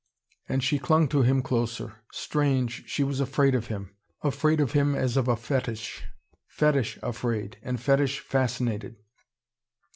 And she clung to him closer. Strange, she was afraid of him! Afraid of him as of a fetish! Fetish afraid, and fetish fascinated!